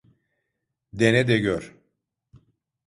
Dene de gör.